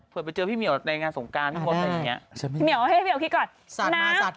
เผื่อไปเจอพี่เหว่าในงานสงกรานพี่หวังว่าจะเป็นอย่างนี้